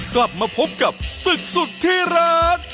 กลับมาพบกับศึกสุดที่รัก